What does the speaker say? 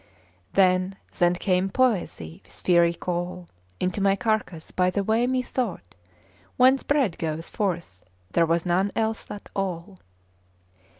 ' 'Then, then came Poesy with fiery call Into my carcass, by the way methought Whence bread goes forth there was none else at all.